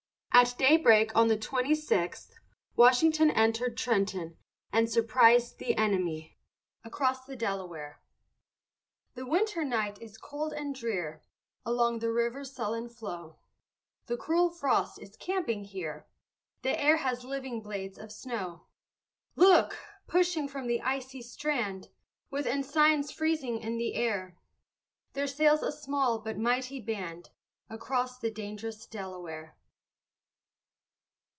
At daybreak on the 26th, Washington entered Trenton, and surprised the enemy. ACROSS THE DELAWARE The winter night is cold and drear, Along the river's sullen flow; The cruel frost is camping here The air has living blades of snow. Look! pushing from the icy strand, With ensigns freezing in the air, There sails a small but mighty band, Across the dang'rous Delaware.